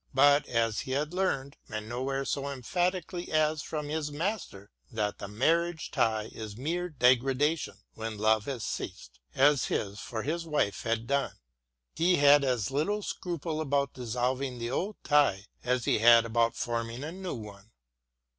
But as he had learned, and nowhere so emphatically as from his master, that the marriage tie is mere degradation when love has ceased, as his for his wife had done, he had as little scruple about dissolving the old tie as he had about forming a new one.